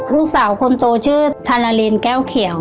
ลูกสาวคนโตชื่อทานารินแก้วเขียว